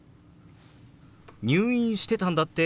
「入院してたんだって？